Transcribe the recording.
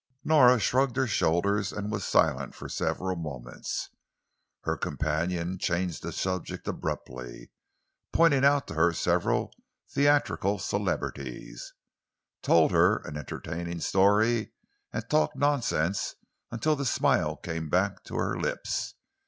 Nora shrugged her shoulders and was silent for several moments. Her companion changed the subject abruptly, pointed out to her several theatrical celebrities, told her an entertaining story, and talked nonsense until the smile came back to her lips.